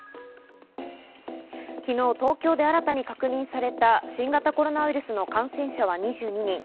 昨日、東京で新たに確認された新型コロナウイルスの感染者は２２人。